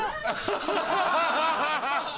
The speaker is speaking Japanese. ハハハハ！